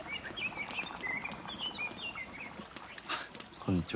こんにちは。